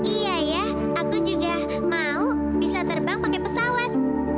iya ya aku juga mau bisa terbang pakai pesawat